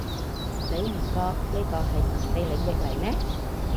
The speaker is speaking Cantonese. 你唔覺呢個係神秘領域嚟咩